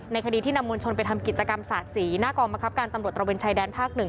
ในคดีที่นำมวลชนไปทำกิจกรรมศาสตร์ศรีหน้ากองมะครับการตำรวจตระเวนชายแดนภาคหนึ่ง